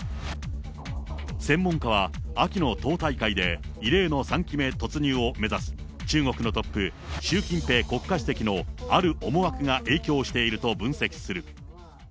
専門家は、秋の党大会で異例の３期目突入を目指す中国のトップ、習近平国家主席のある思惑が影響していると分析する。